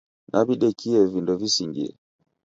Nawidekie vindo visingie